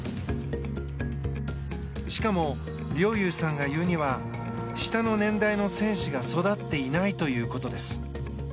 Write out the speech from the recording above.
しかも、陵侑さんが言うには下の年代の選手が育っていないということです。